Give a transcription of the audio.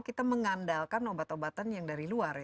kita harus mengandalkan obat obatan yang dari luar